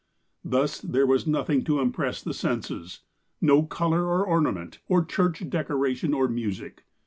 Thus, there was nothing to impress the senses, no colour or ornament, or church decoration, or music.